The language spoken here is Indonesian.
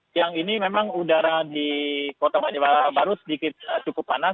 siang ini memang udara di kota banjarbaru sedikit cukup panas